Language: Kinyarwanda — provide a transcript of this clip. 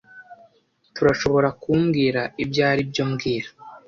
Turashoborakumbwira ibyo aribyo mbwira